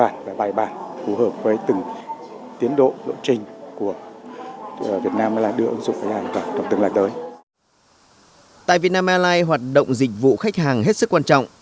tại việt nam airlines hoạt động dịch vụ khách hàng hết sức quan trọng